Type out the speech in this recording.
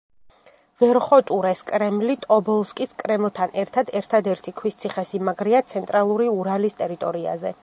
ვერხოტურეს კრემლი ტობოლსკის კრემლთან ერთად ერთადერთი ქვის ციხესიმაგრეა ცენტრალური ურალის ტერიტორიაზე.